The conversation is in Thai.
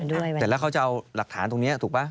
อันนี้๑แต่แล้วเขาจะเอาหลักฐานตรงนี้ถูกไหม